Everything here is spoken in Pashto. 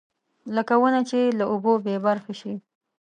لکه ونه چې له اوبو بېبرخې شي.